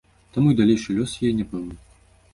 Таму і далейшы лёс яе няпэўны.